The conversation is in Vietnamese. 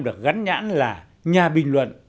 được gắn nhãn là nhà bình luận